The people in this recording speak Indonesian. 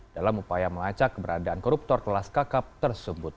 dalam upaya melacak keberadaan koruptor kelas kakap tersebut